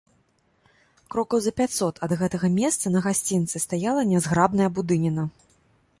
Крокаў за пяцьсот ад гэтага месца, на гасцінцы, стаяла нязграбная будыніна.